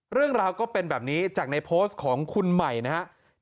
เรื่องราวก็เป็นแบบนี้จากในโพสต์ของคุณใหม่นะครับ